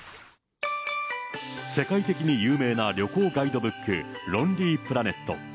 世界的に有名な旅行ガイドブック、ロンリープラネット。